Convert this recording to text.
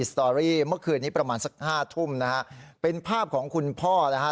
สตอรี่เมื่อคืนนี้ประมาณสักห้าทุ่มนะฮะเป็นภาพของคุณพ่อนะฮะ